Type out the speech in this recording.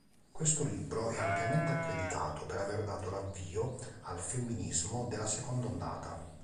Questo libro è ampiamente accreditato per aver dato l'avvio al femminismo della seconda ondata.